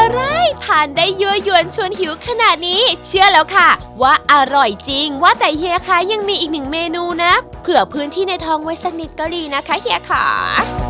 อร่อยจริงว่าแต่เฮียค่ะยังมีอีกหนึ่งเมนูนะเผื่อพื้นที่ในทองไว้สักนิดก็ดีนะคะเฮียค่ะ